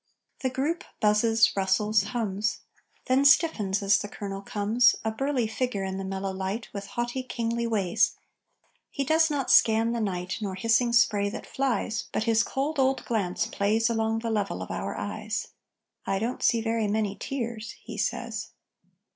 The group buzzes, rustles, hums, Then stiffens as the colonel comes, A burly figure in the mellow light, With haughty, kingly ways. He does not scan the night, Nor hissing spray that flies, But his cold old glance plays Along the level of our eyes. "I don't see very many tears," he says.